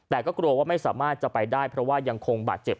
แต่ก็กลัวว่าไม่สามารถจะไปได้เพราะว่ายังคงบาดเจ็บ